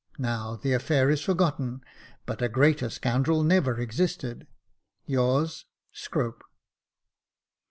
Now the affair is forgotten*, but a greater scoundrel never existed. " Yours, Scrope."